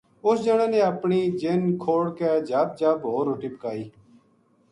اِس جنا نے اپنی جِن کھوڑ کے جھب جھب ہور روٹی پکائی